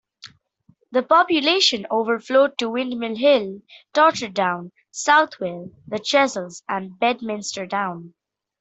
The population overflowed to Windmill Hill, Totterdown, Southville, the Chessels and Bedminster Down.